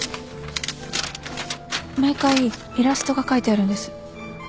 毎回イラストが描いてあるんです。